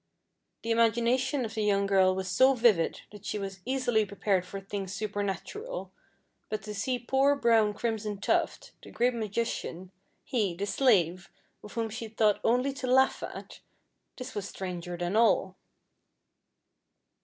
The imagination of the young girl was so vivid that she was easily prepared for things supernatural, but to see poor brown Crimson Tuft, the great magician, he, the slave, of whom she thought only to laugh at this was stranger than all.